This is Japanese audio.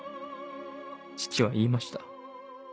父は言いました。